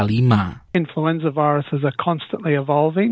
virus influenza selalu berkembang